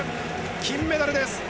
金メダルです。